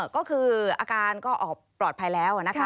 ก็คืออาการก็ปลอดภัยแล้วนะคะ